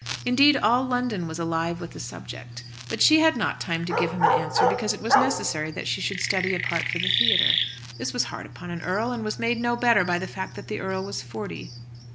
Indeed all London was alive with the subject. But she had not time to give him an answer because it was necessary that she should study a part for the theatre. This was hard upon an earl, and was made no better by the fact that the earl was forty.